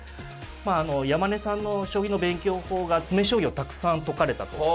まあ山根さんの将棋の勉強法が詰将棋をたくさん解かれたと。